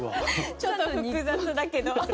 ちょっと複雑だけど。